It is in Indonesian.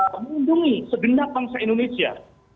melindungi segenap bangsa indonesia